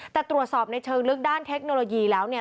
แต่ตรวจสอบในเชิงลึกด้านเทคโนโลยีแล้วเนี่ย